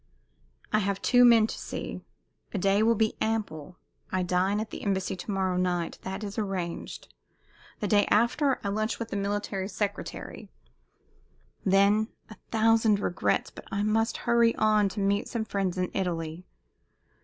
I have two men to see. A day will be ample. I dine at the Embassy to morrow night that is arranged; the day after I lunch with the Military Secretary; then a thousand regrets, but I must hurry on to meet some friends in Italy.